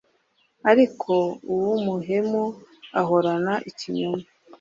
ariko uw’umuhemu ahorana ikinyoma